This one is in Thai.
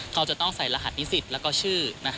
เขาจะต้องใส่รหัสนิสิตแล้วก็ชื่อ